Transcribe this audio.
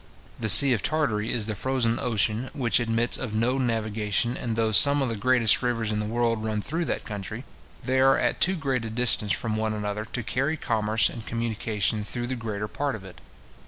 The sea of Tartary is the frozen ocean, which admits of no navigation; and though some of the greatest rivers in the world run through that country, they are at too great a distance from one another to carry commerce and communication through the greater part of it.